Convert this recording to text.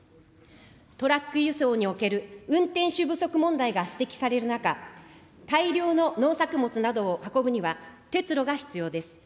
トラック輸送における運転手不足問題が指摘される中、大量の農作物などを運ぶには、鉄路が必要です。